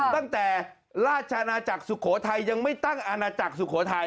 ตั้งแต่ราชนาจักรสุโขทัยยังไม่ตั้งอาณาจักรสุโขทัย